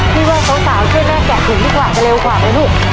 พี่ว่าสาวช่วยแม่แกะถุงดีกว่าจะเร็วกว่าไหมลูก